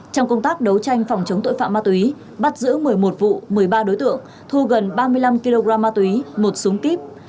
trong công tác đấu tranh phòng chống tội phạm ma túy bắt giữ một mươi một vụ một mươi ba đối tượng thu gần ba mươi năm kg ma túy một súng kíp